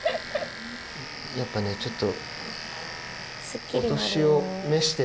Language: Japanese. やっぱねちょっと。